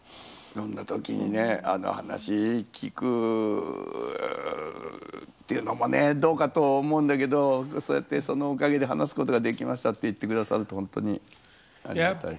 そんな時にねあの話聞くっていうのもねどうかと思うんだけどそうやってそのおかげで話すことができましたって言って下さるとほんとにありがたい。